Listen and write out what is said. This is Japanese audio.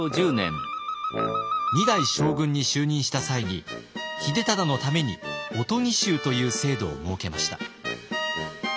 ２代将軍に就任した際に秀忠のために御伽衆という制度を設けました。